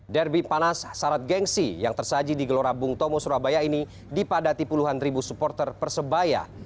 derby panas sarat gengsi yang tersaji di gelora bung tomo surabaya ini dipadati puluhan ribu supporter persebaya